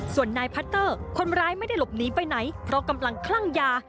ส่วนนายพัตเตอร์คนร้ายไม่ได้หลบหนีไปไหนเพราะกำลังคลั่งยา